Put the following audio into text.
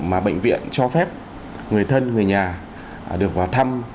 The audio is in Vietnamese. mà bệnh viện cho phép người thân người nhà được vào thăm